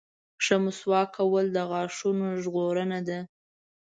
• ښه مسواک کول د غاښونو ژغورنه ده.